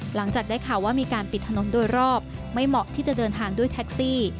หลังจากได้ข่าวว่ามีการปิดถนนโดยรอบไม่เหมาะที่จะเดินทางด้วยแท็กซี่